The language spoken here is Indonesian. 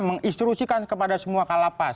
menginstruisikan kepada semua kalapas